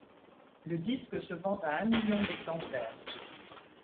Le disque se vend à un million d'exemplaires.